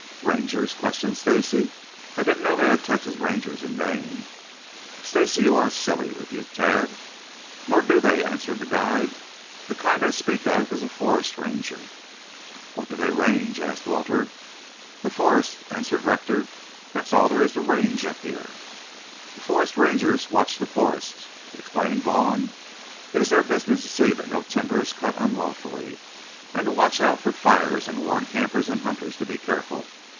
"Rangers?" questioned Stacy. "I didn't know they had Texas Rangers in Maine." "Stacy, you are silly," rebuked Tad. "Nor do they," answered the guide. "The kind I speak of is a forest ranger." "What do they range?" asked Walter. "The forest," answered Rector. "That's all there is to range up here." "The forest rangers watch the forests," explained Vaughn. "It is their business to see that no timber is cut unlawfully and to watch out for fires and warn campers and hunters to be careful.